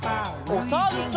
おさるさん。